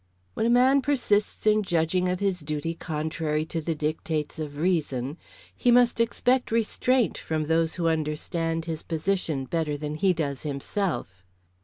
"When a man persists in judging of his duty contrary to the dictates of reason, he must expect restraint from those who understand his position better than he does himself."